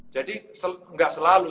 jadi nggak selalu